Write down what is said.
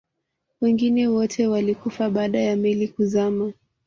wengine wote walikufa baada ya meli kuzama